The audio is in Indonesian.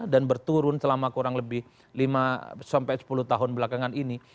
dan berturun selama kurang lebih lima sampai sepuluh tahun belakangan ini